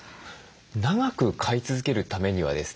長く飼い続けるためにはですね